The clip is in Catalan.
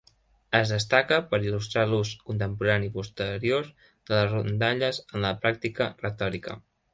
Es destaca per il·lustrar l'ús contemporani i posterior de les rondalles en la pràctica retòrica.